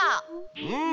うん！